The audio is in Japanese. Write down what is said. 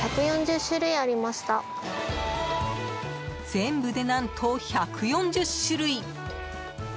全部で何と１４０種類。